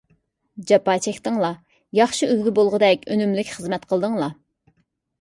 جاپا چەكتىڭلار. ياخشى ئۈلگە بولغۇدەك ئۈنۈملۈك خىزمەت قىلدىڭلار.